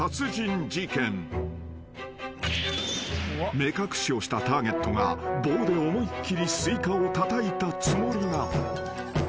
［目隠しをしたターゲットが棒で思いっ切りスイカをたたいたつもりが］